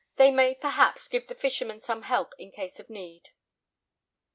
They may, perhaps, give the fishermen some help in case of need."